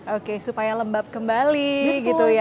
oke supaya lembab kembali gitu ya